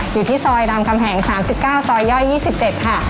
อยู่ที่ซอยรามคำแหง๓๙ซอยย่อย๒๗ค่ะ